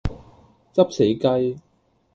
執死雞